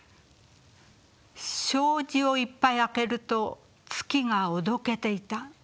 「障子をいつぱい明けると月がおどけてゐた」。